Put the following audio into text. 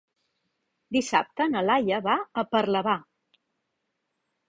Dissabte na Laia va a Parlavà.